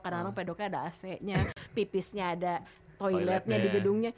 kadang kadang pedoknya ada ac nya pipisnya ada toiletnya di gedungnya